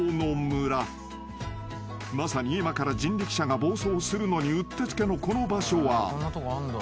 ［まさに今から人力車が暴走するのにうってつけのこの場所は］